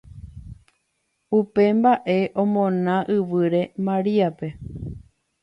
Upe mbaʼe omona yvýre Mariápe.